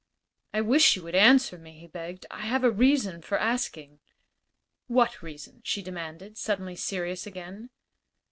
"I wish you would answer me," he begged. "I have a reason for asking." "What reason?" she demanded, suddenly serious again.